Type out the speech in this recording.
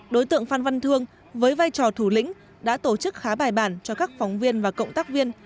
đối tượng phan văn thương với vai trò thủ lĩnh đã tổ chức khá bài bản cho các phóng viên và cộng tác viên